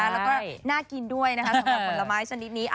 แล้วก็น่ากินด้วยสำหรับผลไม้ชนิดนี้